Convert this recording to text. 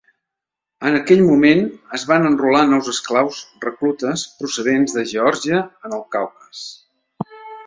En aquell moment es van enrolar nous esclaus reclutes procedents de Geòrgia en el Caucas.